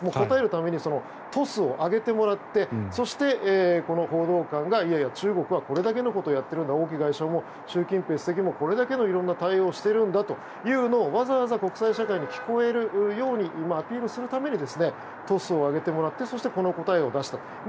答えるためにトスを上げてもらってそして、この報道官がいやいや、中国はこれだけのことをやっているんだ王毅外相も習近平主席もこれだけ色んな対応をしてるんだということをわざわざ国際社会に聞こえるようにアピールするためにトスを上げてもらってそして、この答えを出したと。